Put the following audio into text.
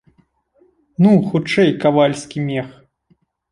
Ну, хутчэй, кавальскі мех.